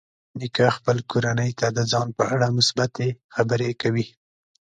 نیکه خپل کورنۍ ته د ځان په اړه مثبتې خبرې کوي.